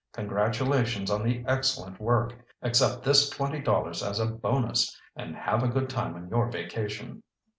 Congratulations on the excellent work! Accept this twenty dollars as a bonus, and have a good time on your vacation."